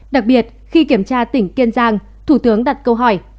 đặc biệt khi kiểm tra tỉnh kiên giang thủ tướng đặt câu hỏi